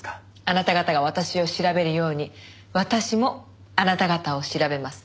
あなた方が私を調べるように私もあなた方を調べます。